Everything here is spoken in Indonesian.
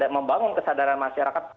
membangun kesadaran masyarakat